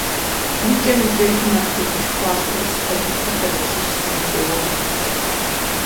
ИкӀэм-икӀэжым ар тегушхуащ урыс станицэхэм ящыщ зым теуэну.